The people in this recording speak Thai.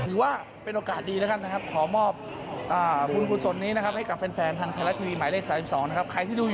ถือว่าเป็นโอกาสดีนะครับ